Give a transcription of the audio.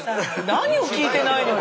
何を聞いてないのよ。